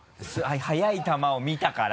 速い球を見たから。